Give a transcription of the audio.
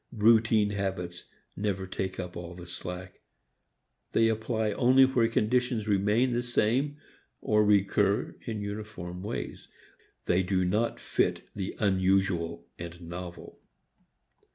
Routine habits never take up all the slack. They apply only where conditions remain the same or recur in uniform ways. They do not fit the unusual and novel.